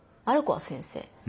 ある子は先生。